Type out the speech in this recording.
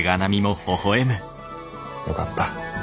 よかった。